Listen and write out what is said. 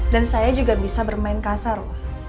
dan saya juga bisa bermain kasar loh